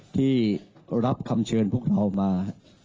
ที่รับคำเชิญพวกเรามา